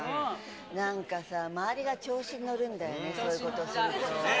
なんかさ、周りが調子に乗るんだよね、そういうことすると。